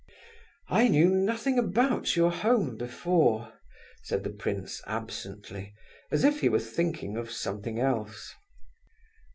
"I knew nothing about your home before," said the prince absently, as if he were thinking of something else.